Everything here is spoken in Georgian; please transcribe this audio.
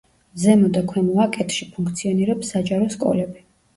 ზემო და ქვემო აკეთში ფუნქციონირებს საჯარო სკოლები.